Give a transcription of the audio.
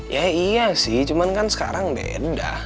ya iya sih cuman kan sekarang beda